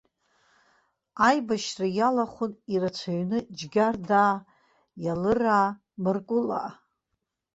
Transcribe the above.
Аибашьра иалахәын ирацәаҩны џьгьардаа, иалыраа, мыркәылаа.